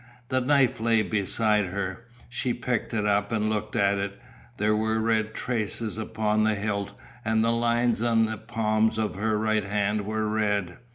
The knife lay beside her; she picked it up and looked at it; there were red traces upon the hilt and the lines in the palm of her right hand were red.